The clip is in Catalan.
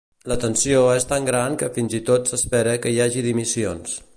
La tensió és tan gran que fins i tot s'espera que hi hagi dimissions.